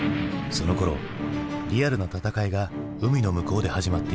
そのころリアルな戦いが海の向こうで始まっていた。